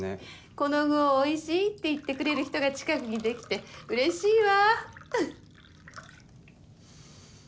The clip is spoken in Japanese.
この具をおいしいって言ってくれる人が近くにできてうれしいわ。